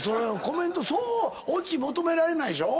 コメントそうオチ求められないでしょ？